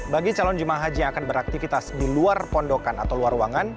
bagi calon jemaah haji yang akan beraktivitas di luar pondokan atau luar ruangan